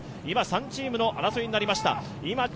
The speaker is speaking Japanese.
今、３チームの争いになりました。